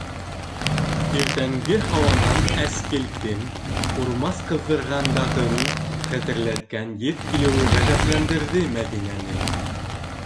Иртәнге һауанан әскелтем, ҡурмас ҡыҙҙырғандағын хәтерләткән еҫ килеүе ғәжәпләндерҙе Мәҙинәне.